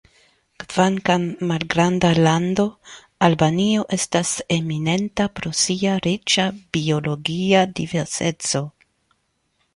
Kvankam malgranda lando, Albanio estas eminenta pro sia riĉa biologia diverseco.